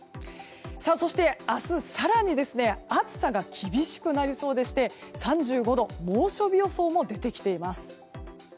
そして、明日更に暑さが厳しくなりそうでして３５度猛暑日予想も出てきています。